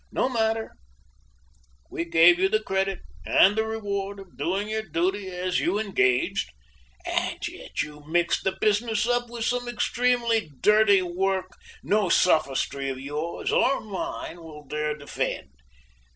"No matter; we gave you the credit and the reward of doing your duty as you engaged, and yet you mixed the business up with some extremely dirty work no sophistry of yours or mine will dare defend.